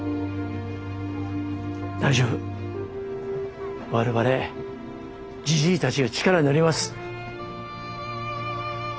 大丈夫我々じじいたちが力になります。